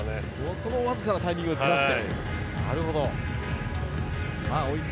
そのわずかなタイミングをずらして。